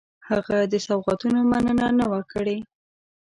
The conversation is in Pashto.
هغه د سوغاتونو مننه نه وه کړې.